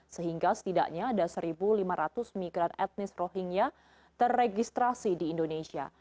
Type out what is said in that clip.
sehingga setidaknya ada satu lima ratus migran etnis rohingya terregistrasi di indonesia